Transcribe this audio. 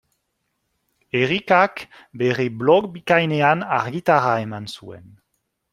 Erikak bere blog bikainean argitara eman zuen.